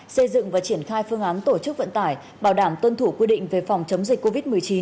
xây dựng và triển khai phương án tổ chức vận tải bảo đảm tuân thủ quy định về phòng chống dịch covid một mươi chín